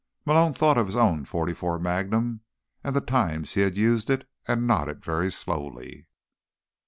Malone thought of his own .44 Magnum, and the times he had used it, and nodded very slowly.